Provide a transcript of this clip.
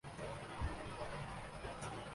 manager نے اپنے ایک ملازم سے پوچھا